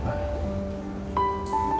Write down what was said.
mudah mudahan ya pak